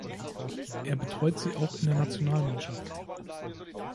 Er betreut sie auch in der Nationalmannschaft.